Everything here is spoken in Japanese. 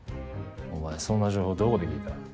お前そんな情報どこで聞いた？